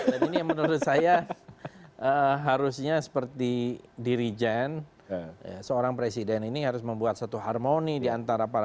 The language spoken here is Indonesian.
dan ini yang menurut saya harusnya seperti dirijen seorang presiden ini harus membuat satu harmoni di antara para